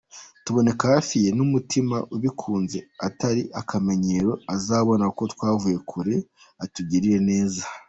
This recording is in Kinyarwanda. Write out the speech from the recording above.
Tuboneke hafi ye n’umutima ubikunze atari akamenyero, azabona ko twavuye kure atugirire neza.